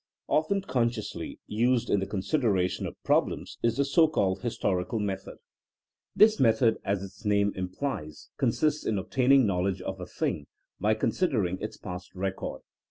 Often consciously used in the consideration of problems is the so called historical method. This method, as its name implies, consists in obtaining knowledge of a thing by considering its past record.